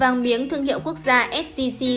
vàng miếng thương hiệu quốc gia sgc